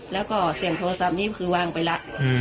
แล้วก็เสียงโทรศัพท์นี้ก็คือวางไปแล้ว